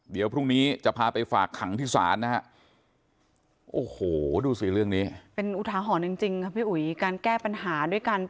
เดี๋ยวพรุ่งนี้จะพาไปฝากขังที่ศาลนะฮะ